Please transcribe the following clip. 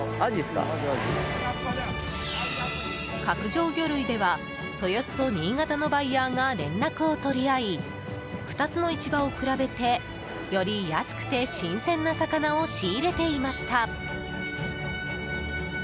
角上魚類では、豊洲と新潟のバイヤーが連絡を取り合い２つの市場を比べてより安くて新鮮な魚を仕入れていました。